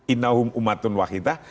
innahum umatun wahidah